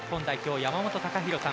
山本隆弘さん